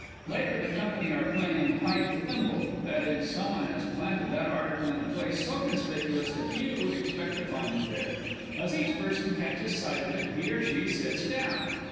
_ [_Later; the Company are playing "Hide the Thimble"; i.e., someone has planted that article in a place so conspicuous that few would expect to find it there. As each person catches sight of it, he or she sits down.